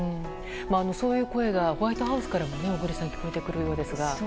そういう声がホワイトハウスからも小栗さん聞こえてくるようですが。